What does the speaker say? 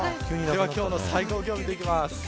今日の最高気温を見ていきます。